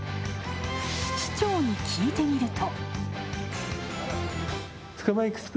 市長に聞いてみると。